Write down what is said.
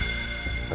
di situ pak